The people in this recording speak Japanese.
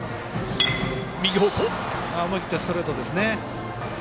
思い切ってストレートでしたね。